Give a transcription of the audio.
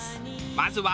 まずは。